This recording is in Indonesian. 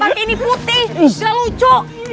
pake ini putih gak lucu